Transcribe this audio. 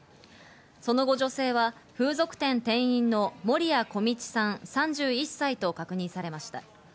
その後、女性は風俗店店員の守屋径さん３１歳と確認されました。